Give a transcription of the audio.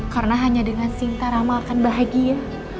karena hanya dengan sinta rama akan bahagia